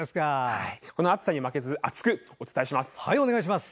この暑さに負けず熱くお伝えしていきます。